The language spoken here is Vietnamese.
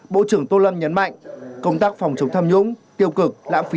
bộ trưởng tô lâm nhấn mạnh công tác phòng chống tham nhũng tiêu cực lãng phí